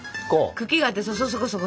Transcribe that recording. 茎があってそうそこそこ。